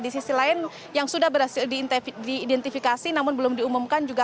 di sisi lain yang sudah berhasil diidentifikasi namun belum diumumkan juga